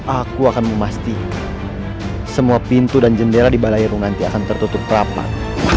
aku akan memastikan semua pintu dan jendela di balairung nanti akan tertutup rapat